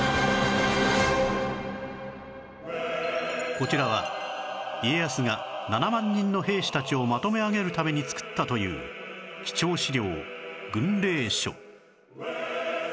こちらは家康が７万人の兵士たちをまとめ上げるために作ったという貴重史料軍令書